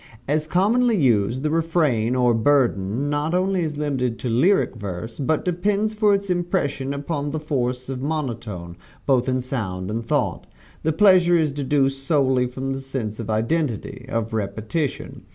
As commonly used, the refrain, or burden, not only is limited to lyric verse, but depends for its impression upon the force of monotone both in sound and thought. The pleasure is deduced solely from the sense of identity of repetition.